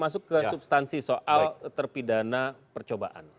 masuk ke substansi soal terpidana percobaan